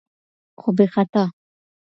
خو بې خطا